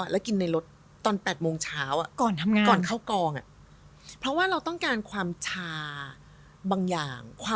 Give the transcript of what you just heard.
แล้วกินในรถตอน๘โมงเช้าก่อนทำงานก่อนเข้ากองเพราะว่าเราต้องการความชาบางอย่าง